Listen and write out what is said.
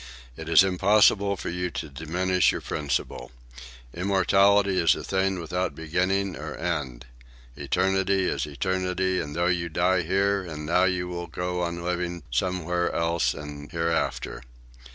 It is impossible for you to diminish your principal. Immortality is a thing without beginning or end. Eternity is eternity, and though you die here and now you will go on living somewhere else and hereafter.